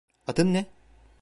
Adın ne?